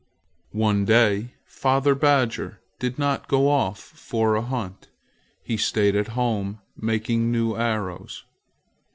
One day father badger did not go off for a hunt. He stayed at home, making new arrows.